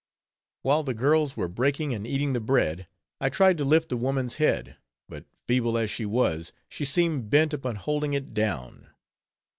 While the girls were breaking and eating the bread, I tried to lift the woman's head; but, feeble as she was, she seemed bent upon holding it down.